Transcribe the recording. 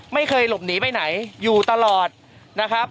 ไม่เคยหลบหนีไปไหนอยู่ตลอดนะครับ